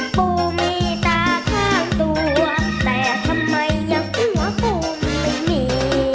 ปูมีตาข้างตัวแต่ทำไมยังหัวปูมันไม่มี